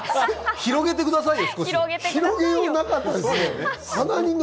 広げてくださいよ。